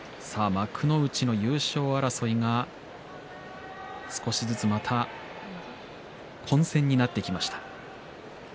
幕内の優勝争いが少しずつまた混戦になってきました。